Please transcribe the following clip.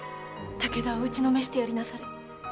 武田を打ちのめしてやりなされ。